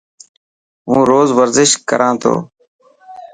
هون روز ورزش ڪران ٿو.